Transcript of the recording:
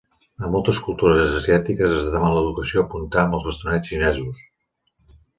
A moltes cultures asiàtiques és de mala educació apuntar amb els bastonets xinesos.